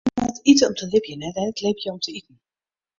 Men moat ite om te libjen en net libje om te iten.